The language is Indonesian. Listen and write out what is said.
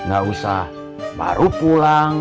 gak usah baru pulang